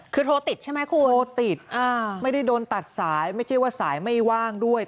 คือโทรติดใช่ไหมคุณโทรติดอ่าไม่ได้โดนตัดสายไม่ใช่ว่าสายไม่ว่างด้วย